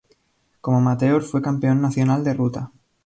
Como amateur, fue campeón nacional de ruta.